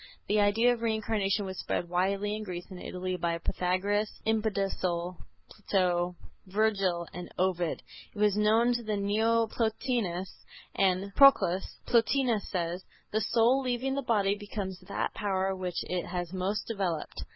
The idea of Reincarnation was spread widely in Greece and Italy by Pythagoras, Empedocles, Plato, Virgil and Ovid. It was known to the Neo Platonists, Plotinus and Proclus. Plotinus says: "The soul leaving the body becomes that power which it has most developed.